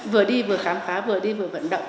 vừa đi vừa khám phá vừa đi vừa vận động